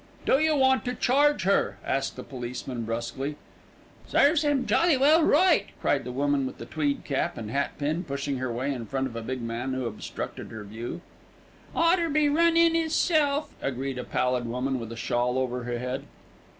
"Do you want to charge her?" asked the policeman brusquely. "Serves 'im jolly well right," cried the woman with the tweed cap and hat pin, pushing her way in front of a big man who obstructed her view. "Oughter be run in 'isself," agreed a pallid woman with a shawl over her head.